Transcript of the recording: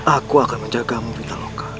aku akan menjagamu vitaloka